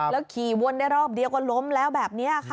ขี่วนได้รอบเดียวก็ล้มแล้วแบบนี้ค่ะ